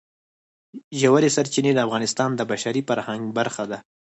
ژورې سرچینې د افغانستان د بشري فرهنګ برخه ده.